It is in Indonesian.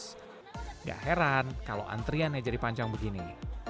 tidak heran kalau antriannya jadi panjang begini